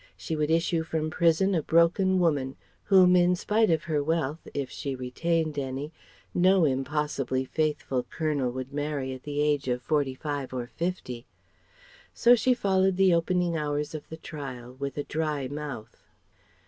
She would issue from prison a broken woman, whom in spite of her wealth if she retained any no impossibly faithful Colonel would marry at the age of forty five or fifty. So she followed the opening hours of the trial with a dry mouth.